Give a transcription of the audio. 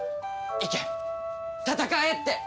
「行け戦え」って！